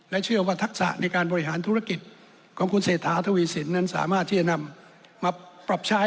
เชื่อว่าทักษะในการบริหารธุรกิจของคุณเศรษฐาทวีสินนั้นสามารถที่จะนำมาปรับใช้